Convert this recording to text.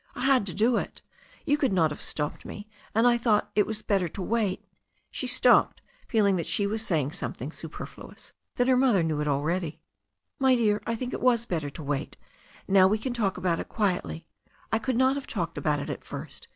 I had to do it. You could not have stopped me, and I thought it was better to wait *' She stopped, feeling that she was saying something superfluous, that her mother knew it already. "My dear, I think it was better to wait. Now we can talk about it quietly. I could not have talked about it at first.